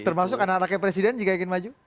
termasuk anak anaknya presiden jika ingin maju